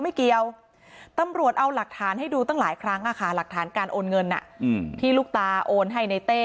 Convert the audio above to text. ไม่เกี่ยวตำรวจเอาหลักฐานให้ดูตั้งหลายครั้งหลักฐานการโอนเงินที่ลูกตาโอนให้ในเต้